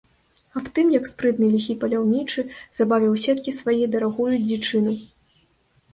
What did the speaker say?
Аб тым, як спрытны ліхі паляўнічы завабіў у сеткі свае дарагую дзічыну.